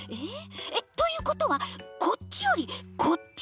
えっということはこっちよりこっち？